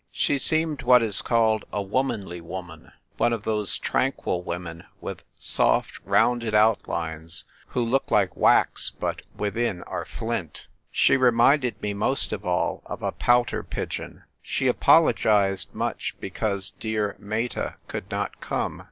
She seemed what is called "a womanly woman "— one of those tranquil women with soft, rounded outlines, who look like wax, but within are flint. She reminded me most of all of a pouter pigeon. She apologised much because dear Meta could not come.